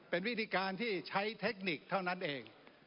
เป็นวิธีการที่ใช้เทคนิคเท่านั้นเอง